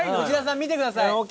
内田さん見てください。